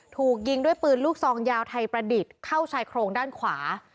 ถูกยิงด้วยปืนลูกซองยาวไทยประดิษฐ์เข้าชายโครงด้านขวา